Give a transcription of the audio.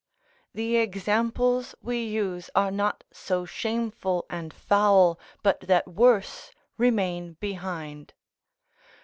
["The examples we use are not so shameful and foul but that worse remain behind."